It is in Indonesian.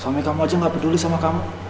suami kamu aja nggak peduli sama kamu